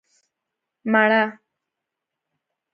🍏 مڼه